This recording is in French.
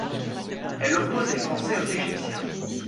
Elle oppose les Français aux Égyptiens.